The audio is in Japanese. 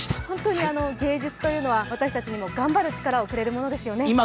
本当に芸術というのは私たちにも頑張る力をくれるものですよね。